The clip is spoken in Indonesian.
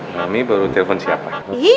mami baru telepon siapa